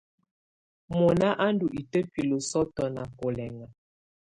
Mɔnà à ndù itǝbilǝ sɔ̀tɔ̀ nà bulɛŋa.